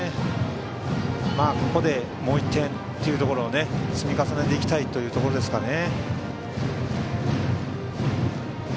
ここでもう１点というところを積み重ねていきたいというところですかね。